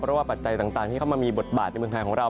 เพราะว่าปัจจัยต่างที่เข้ามามีบทบาทในเมืองไทยของเรา